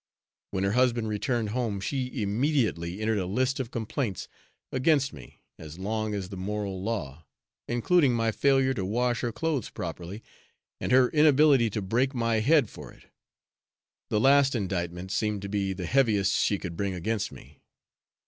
When her husband returned home, she immediately entered a list of complaints against me as long as the moral law, including my failure to wash her clothes properly, and her inability to break my head for it; the last indictment seemed to be the heaviest she could bring against me.